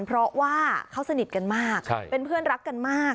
เพราะว่าเขาสนิทกันมากเป็นเพื่อนรักกันมาก